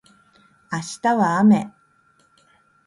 明日は雨